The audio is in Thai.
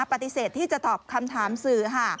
ปฏิเสธที่จะตอบคำถามสื่อค่ะ